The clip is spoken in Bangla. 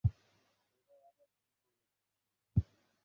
এবার আবার কী করেছে?